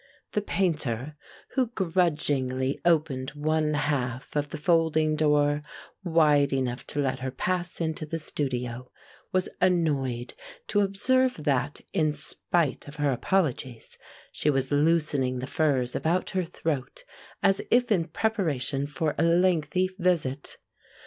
The Painter, who grudgingly opened one half of the folding door wide enough to let her pass into the studio, was annoyed to observe that, in spite of her apologies, she was loosening the furs about her throat as if in preparation for a lengthy visit.